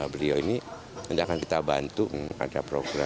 beliau ini akan kita bantu menghadapi program